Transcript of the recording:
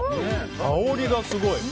香りがすごい。